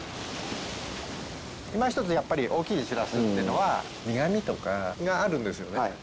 いま一つやっぱり大きいしらすっていうのは苦みとかがあるんですよね。